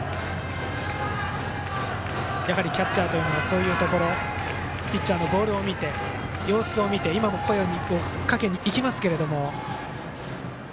やはりキャッチャーはそういうところピッチャーのボールを見て様子を見て今も声をかけに行きましたけども。